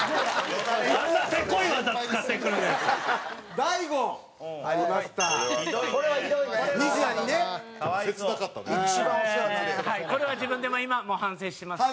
大悟：これは、自分でも今も反省してますし。